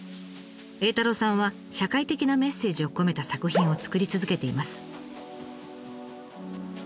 栄太郎さんは社会的なメッセージを込めた作品を作り続けています。